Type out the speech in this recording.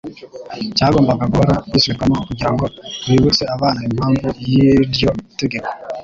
cyagombaga guhora gisubirwamo kugira ngo bibutse abana impamvu y'ityo tegeko.